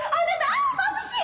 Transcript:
ああまぶしい！